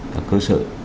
các cơ sở